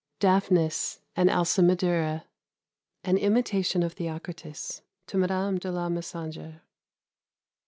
DAPHNIS AND ALCIMADURA. (An Imitation of Theocritus.) TO MADAME DE LA MESANGERE.